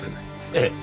ええ。